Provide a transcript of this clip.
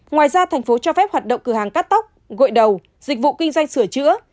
ngoài ra thành phố cho phép hoạt động cửa hàng cắt tóc gội đầu dịch vụ kinh doanh sửa chữa